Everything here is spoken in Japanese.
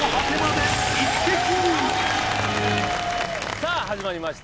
さぁ始まりました